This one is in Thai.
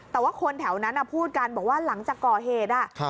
แต่ว่าคนแถวนั้นพูดกันบอกว่าหลังจากก่อเหตุ